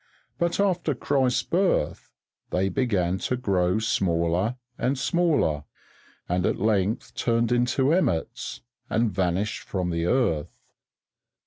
But after Christ's birth they began to grow smaller and smaller, and at length turned into emmets and vanished from the earth.